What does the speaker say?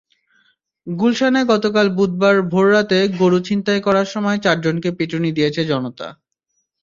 গুলশানে গতকাল বুধবার ভোররাতে গরু ছিনতাই করার সময় চারজনকে পিটুনি দিয়েছে জনতা।